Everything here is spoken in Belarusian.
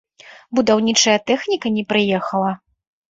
Будаўнічая тэхніка не прыехала.